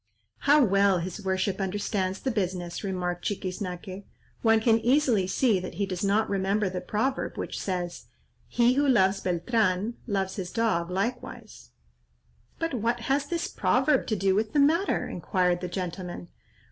"How well his worship understands the business," remarked Chiquiznaque. "One can easily see that he does not remember the proverb which says: 'He who loves Beltran, loves his dog likewise.'" "But what has this proverb to do with the matter?" inquired the gentleman.